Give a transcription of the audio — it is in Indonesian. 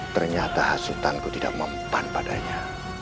ternyata hasutan ku tidak mempan padanya